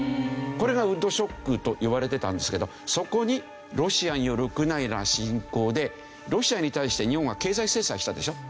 これがウッドショックといわれてたんですけどそこにロシアによるウクライナ侵攻でロシアに対して日本は経済制裁したでしょ。